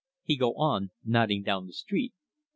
he go on, nodding down the street.